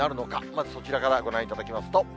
まずそちらからご覧いただきますと。